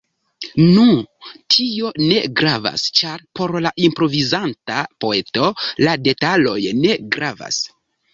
Nu, tio ne gravas, ĉar por la improvizanta poeto la detaloj ne gravas.